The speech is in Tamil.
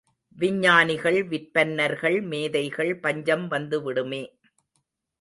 விஞ்ஞானிகள், விற்பன்னர்கள், மேதைகள் பஞ்சம் வந்துவிடுமே.